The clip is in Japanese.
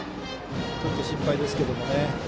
ちょっと心配ですね。